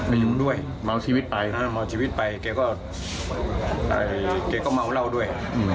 ไปอยู่ด้วยเมาชีวิตไปมอชีวิตไปเขาก็เกหมาเหล้าด้วย